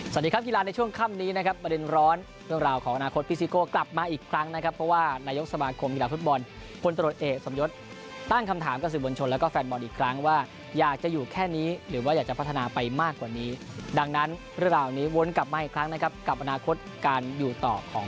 สวัสดีครับกีฬาในช่วงค่ำนี้นะครับประเด็นร้อนเรื่องราวของอนาคตพี่ซิโก้กลับมาอีกครั้งนะครับเพราะว่านายกสมาคมกีฬาฟุตบอลคนตรวจเอกสมยศตั้งคำถามกับสื่อมวลชนแล้วก็แฟนบอลอีกครั้งว่าอยากจะอยู่แค่นี้หรือว่าอยากจะพัฒนาไปมากกว่านี้ดังนั้นเรื่องราวนี้วนกลับมาอีกครั้งนะครับกับอนาคตการอยู่ต่อของ